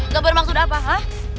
gak bermaksud apa ha